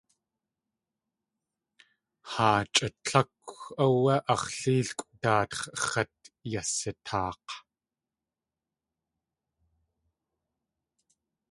Haa chʼa tlákw áwé ax̲ léelkʼw daax̲ x̲at yasataak̲.